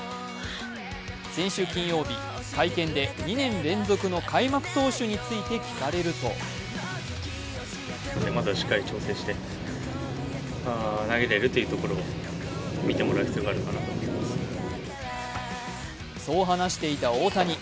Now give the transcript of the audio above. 先週金曜日、会見で２年連続の開幕投手について聞かれるとそう話していた大谷。